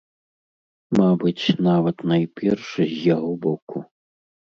Мабыць, нават найперш з яго боку.